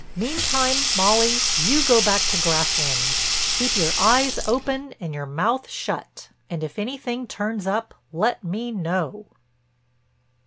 Meantime, Molly, you go back to Grasslands. Keep your eyes open and your mouth shut and if anything turns up let me know."